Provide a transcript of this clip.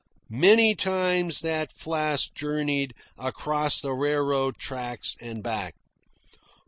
Many times that flask journeyed across the railroad tracks and back.